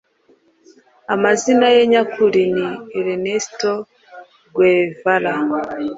amazina ye nyakuri ni ernesto guevara,